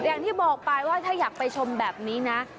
อย่างที่บอกไปว่าถ้าอยากไปชมแบบนี้นะ